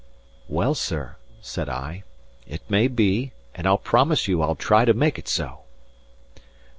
"Well, sir," said I, "it may be; and I'll promise you I'll try to make it so."